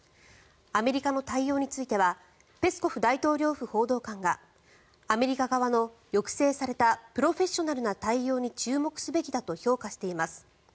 アメリカの対応についてはペスコフ大統領府報道官がアメリカ側の抑制されたプロフェッショナルな対応に注目すべきだと評価しています。